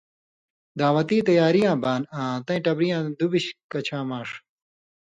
دعوتیں تیاری یاں بان آں تَیں ٹبرِیاں دُوۡبیۡش کَچھاں ماݜہ